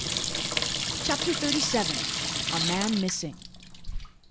CHAPTER THIRTY SEVEN. A MAN MISSING.